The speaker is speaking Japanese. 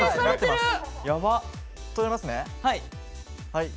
はい。